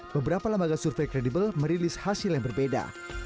beberapa lembaga survei kredibel merilis hasil yang berbeda